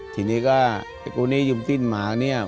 ทีนี้ก็กู้นี้ยืมสิ้นหมาเนี่ย